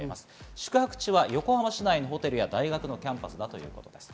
宿泊地は横浜市内のホテルや大学のキャンパスです。